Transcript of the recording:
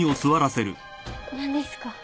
何ですか？